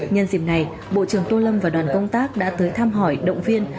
nhân dịp này bộ trưởng tô lâm và đoàn công tác đã tới thăm hỏi động viên